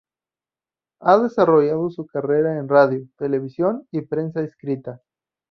Ha desarrollado su carrera en radio, televisión y prensa escrita.